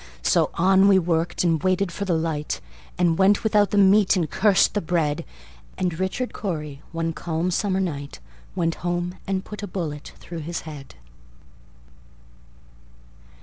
So on we worked, and waited for the light, And went without the meat, and cursed the bread; And Richard Cory, one calm summer night, Went home and put a bullet through his head.